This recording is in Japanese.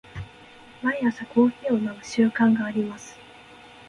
毎朝コーヒーを飲む習慣があります。